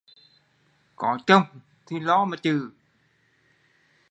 Có chồng thì lo mà chự